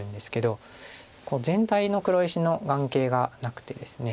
全体の黒石の眼形がなくてですね。